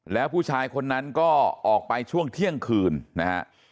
แล้วผู้ชายคนนั้นก็ออกไปช่วงเที่ยงคืนนะฮะ